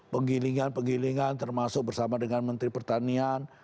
pengilingan pengilingan termasuk bersama dengan menteri pertanian